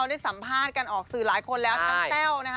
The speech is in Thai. สนิทไม่สนิท